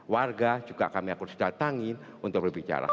warga juga kami akan datangin untuk berbicara